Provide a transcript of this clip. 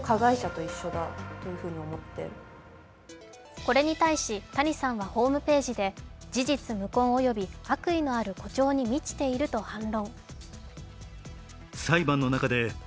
これに対し、谷さんはホームページで事実無根及び悪意のある誇張に満ちていると反論。